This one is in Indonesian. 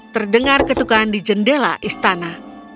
terdengar ketukaan di jendela istana